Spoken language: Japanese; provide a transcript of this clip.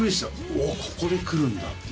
おっここでくるんだっていう。